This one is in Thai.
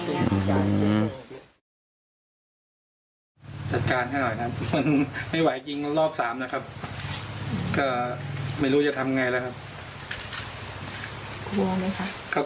ก็ไม่รู้จะทำไงแล้วครับ